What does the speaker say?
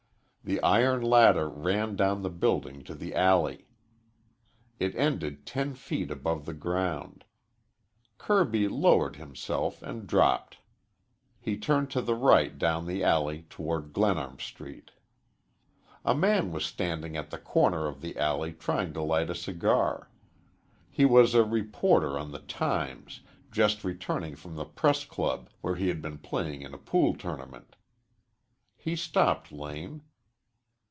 The iron ladder ran down the building to the alley. It ended ten feet above the ground. Kirby lowered himself and dropped. He turned to the right down the alley toward Glenarm Street. A man was standing at the comer of the alley trying to light a cigar. He was a reporter on the "Times," just returning from the Press Club where he had been playing in a pool tournament. He stopped Lane.